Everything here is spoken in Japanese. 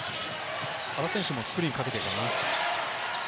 馬場選手もスクリーンをかけている。